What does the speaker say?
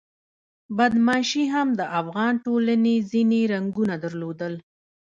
بدماشي هم د افغان ټولنې ځینې رنګونه درلودل.